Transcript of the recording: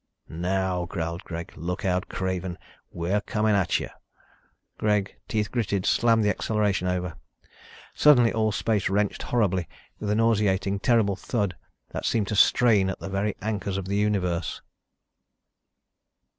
"Now," growled Greg, "look out, Craven, we're coming at you!" Greg, teeth gritted, slammed the acceleration over. Suddenly all space wrenched horribly with a nauseating, terrible thud that seemed to strain at the very anchors of the Universe.